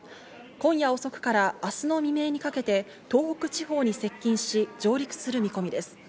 今夜遅くから明日の未明にかけて東北地方に接近し上陸する見込みです。